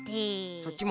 そっちも。